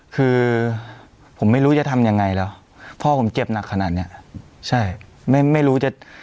คือผมไม่รู้จะทำยังไงแล้วพ่อผมเจ็บหนักขนาดเนี้ยใช่ไม่ไม่รู้จะ